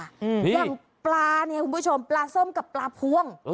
อย่างปลาเนี่ยคุณผู้ชมปลาส้มกับปลาพวง